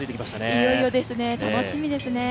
いよいよですね、楽しみですね。